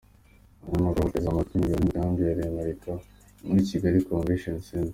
Abanyamakuru bateze amatwi imigabo n'imigambi ya Rwemarika muri Kigali Convention Center.